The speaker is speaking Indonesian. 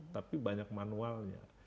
tapi banyak manualnya